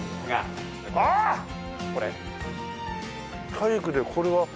体育でこれは。